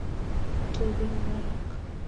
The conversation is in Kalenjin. toben barak